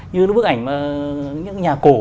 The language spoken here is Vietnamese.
như bức ảnh nhà cổ